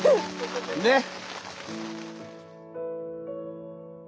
ねっ！